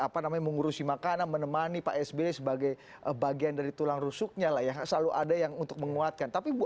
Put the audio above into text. pak sbe sebagai bagian dari tulang rusuknya lah ya selalu ada yang untuk menguatkan tapi bu